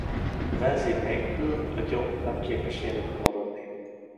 Az enzim nélkül a gyom nem képes életben maradni.